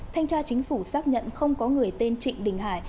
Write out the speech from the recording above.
thanh tra chính phủ xác nhận không có người tên trịnh đình hải